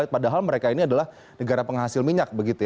padahal mereka ini adalah negara penghasil minyak